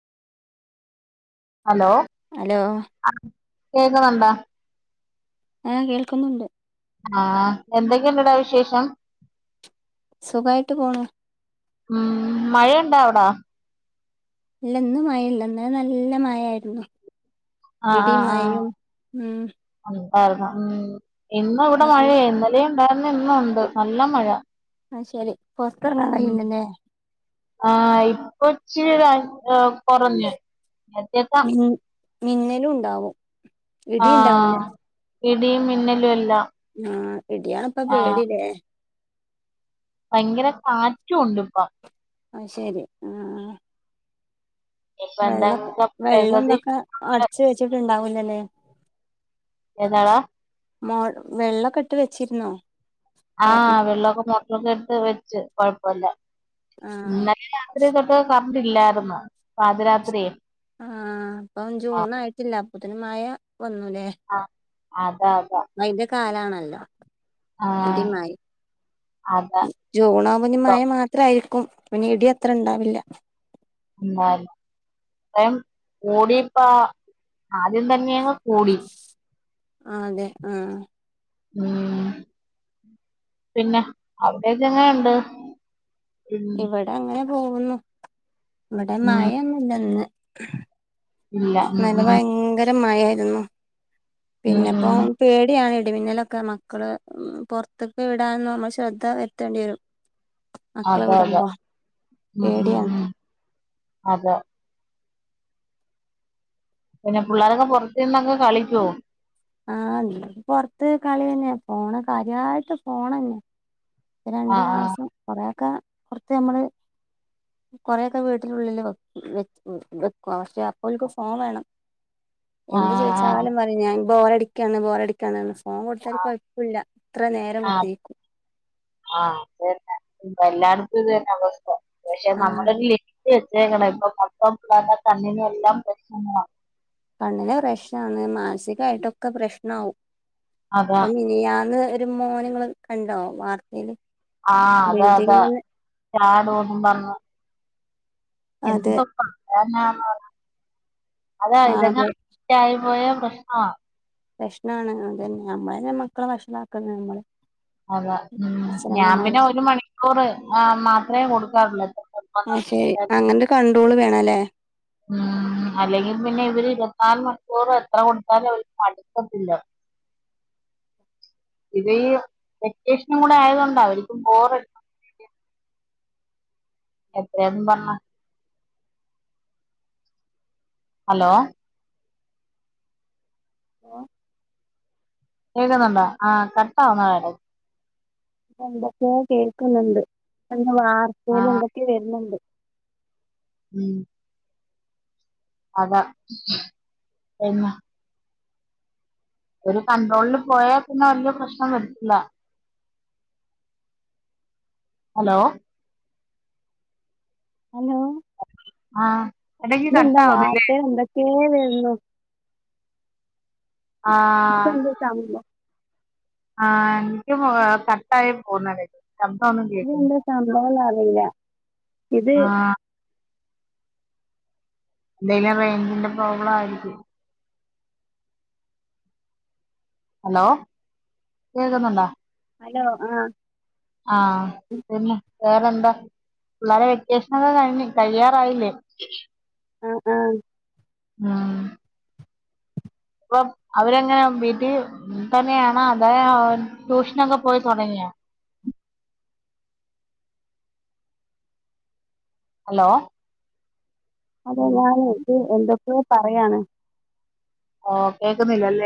Hello hello ആഹ് കേക്ക്ണ് ണ്ടോ ആഹ് കേൾക്കുന്നുണ്ട് ആഹ് എന്തെക്കെണ്ടടാ വിശേഷം സുഖായിട്ട് പോണു ഉം മഴണ്ടാ അവ്ടാ ഇല്ല ഇന്ന് മയല്ല ഇന്നലെ നല്ല മയയാര്ന്നു ആഹ് ആഹ് ഉം ആഹ് ഉണ്ടാര്ന്നു ഉം ഇന്ന് ഇവടെ ആഹ് മഴേര്ന്നു ഇ ന്നല്ലേ ണ്ടാർന്ന് ഇന്നുണ്ട് നല്ല മഴ അത് ശരി പൊർതറങ്ങാൻ ഉം കയ്യ്ണില്ലല്ലേ ആഹ് ഇപ്പൊച്ചിരി [unintelligible] കൊറഞ്ഞ് മറ്റേ മി മിന്നലുണ്ടാവും ആഹ് ഇടീം മിന്നലും എല്ലാം ആഹ് ഇടിയാണ്പ്പ ആഹ് പേടിലേ ഭയങ്കര കാറ്റുണ്ട്പ്പം അത് ശെരി ആഹ് ഇപ്പൊ വെള്ളൊക്കെ എന്തെങ്കിലും വെള്ളും പ്രകൃതി തൊക്കെ അടിച്ച് വെച്ച്ട്ട്ണ്ടാവുല്ലല്ലേ എന്താടാ മോ വെള്ളൊക്കട്ട് വെച്ചിര്ന്നോ ആഹ് വെള്ളൊക്കെ മോട്ട്റൊക്കെട്ട് വെച്ച് കൊഴപ്പല്ല ആഹ് ഇന്നലെ രാവി ലേ തൊട്ട് കറണ്ടില്ലാര്ന്നു പാതിരാത്രേ ആഹ് ഇപ്പം ജൂണായ്ട്ടില്ല അപ്പൊത്തിനും മയ വന്നുലേ ആഹ് അതാ അതാ പ്പയിന്റെ കാലാണല്ലോ ആഹ് ഇടിം മയിം അതാ ജൂണാവ്മ്പൊ ഞ് മയ മാത്രാരിക്കും പിന്നെ ഇടി അത്ര ഇണ്ടാവില്ല ന്നാലും [unintelligible] കൂടിപ്പാ ആദ്യം തന്നെയങ്ങ് കൂടി ആതെ ആഹ് ഉം പിന്നെ അവ്ടെയൊക്കെ എങ്ങെനെണ്ട് ഇവടെ അങ്ങനെ പോവുന്നു ഇവിടെ ഉം മയൊന്നുല്ല ഇന്ന് ഇല്ല ഉം ഇന്നലെ ഉം ഭയങ്കര മയാരുന്നു ഉം പിന്നെപ്പോ ഉം പേടിയാണ് ഇടിമിന്നലൊക്കെ മക്കള് പൊർത്ത്ക്ക്‌ വിടാനും നമ്മള് ശ്രദ്ധ വരുത്തേണ്ടി വരും മക്കളെ അതെ അതെ വിടുമ്പോ ഉം ഉം പേടിയാണ് ഉം അതെ പിന്നെ പുള്ളേരൊക്കെ പൊറത്ത് ഇര്ന്നങ്ങ് കളിക്കോ ആഹ് [unintelligible] പൊറത്ത് കളി തന്നെ ഫോണ് കാര്യായിട്ട് ഫോണന്നെ രണ്ട് ആഹ് ആഹ് മാസം കൊറേഒക്കെ പൊറത്ത് ഞമ്മള് കൊറെഒക്കെ വീട്ടിലുള്ളില് വെ വെ വെക്കു പക്ഷേ അപ്പോ ഓൽക്ക് ഫോം വേണം എന്ത് ആഹ് ആഹ് ചോയിച്ചാലും പറയും ഞാൻ ബോറടിക്കാണ് ബോറടി ക്കാണ് ഫോൺ കൊടുത്താരു കൊയപ്പുല്യ എത്ര നേരം ആഹ് കുത്തിരിക്കും ആഹ് അതന്നെ എല്ലാട്ത്തും ഇതന്നെ അവസ്ഥ പക്ഷെ ആഹ് നമ്മലൊരു ലിമി റ്റ് വെച്ചേക്ണ് ഇപ്പൊ മൊത്തം കണ്ണിൻ എല്ലാം പ്രശ്നങ്ങള കണ്ണിന് പ്രശ്നാണ് മാനസികായിട്ടൊക്കെ പ്രശ്നാവും അതാ അത് മി നി ഞാന്ന് ഒര് മോനങ്ങള് കണ്ടോ വാർത്തേല് ആഹ് അതെ അതെ ബിൽഡിങ്മന്ന് ചാടൂന്നുംപറഞ് അതെ എന്തോ പറയാന ആഹ് അതെ [unintelligible] [unintelligible] ആയി പോയ പ്രശ്നാ പ്രശ്നാണ് അതന്നെ നമ്മളന്നെ മക്കളെ വഷ്ളാക്കുന്നേ നമ്മളേ അതെ ഉം ഞാ പിന്നെ ഒരു മണിക്കൂറ് മാത്രേ കൊടുക്കാറൊള്ളൂ അത് ശെരി അങ്ങനെ കൻഡ്രോള് വേണല്ലേ ഉം അല്ലെങ്കി പിന്നെ ഇവര് ഇരുപത്തിനാല് മണിക്കൂറും എത്ര കൊടുത്താലും ഇവർക്ക്‌ മടുക്കത്തില്ല. പിന്ന ഈ വെക്കേഷ്നും കുട ആയത്കൊണ്ട അവര്ക്ക്‌ ബോ എത്രാന്നും പറ്ഞ്ഞ. ഹലോ. ഓഹ്. കേ‌ക്ന്നുണ്ടൊ ആഹ് കട്ടാവുന്ന [unintelligible] എന്തൊക്കേ കേക്കുന്ന്ണ്ട് വാർതേല് ആഹ് എന്തൊക്കെ വരുന്നുണ്ട്. ഉം. അത പിന്ന. ഒരു കൺട്രോൾല് പോയാ പിന്നെ വല്യെ പ്രശ്നം വരില്ല. ഹലോ. ഹലോ. ആഹ്. ഇടക്ക് ഇതെന്താ കട്ടാവുന്നില്ലേ വാർത്തെ എന്തൊക്കേ വെര്ണു. ആഹ്. ചമ്പൊ ആഹ് എനിക്കും കട്ടായി പോന്നെടെ ശബ്ദൊന്നും കേക്ക്ന്നില്ല. സംഭവൊന്നും അറിയില്ല ഇത്. ആഹ് എന്തേലും റെയ്ഞ്ചിന്റെ പ്രോബ്ലം ആയിരിക്കും. ഹലോ കേൾക്കുന്നുണ്ടൊ? ഹലോ ആഹ്. ആഹ് പിന്നെ വേറെന്ത? പിള്ളാരെ വെക്കേഷ്നൊക്കെ കഴിഞ് കയ്യാറായില്ലെ? ആഹ് ആഹ്. ആഹ്. ഇപ്പൊ അവരെങ്ങന വീട്ടി തന്നെയാണോ അതോ ട്യൂഷനൊക്കെ പോയി തൊടങ്ങിയോ? ഹലോ. അതെ ഞാനെ ഇത് എന്തൊക്ക്യോ പറയാണ്. ഓഹ് കേക്ക്ന്നില്ലലെ.